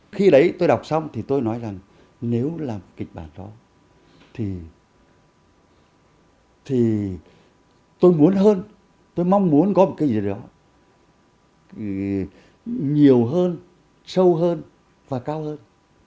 khi đấy tôi đọc xong thì tôi nói rằng nếu làm kịch bản đó thì tôi muốn hơn tôi mong muốn có một cái gì đó nhiều hơn sâu hơn và cao hơn